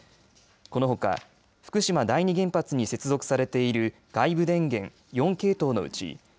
このほか福島第二原発に接続されている外部電源４系統のうち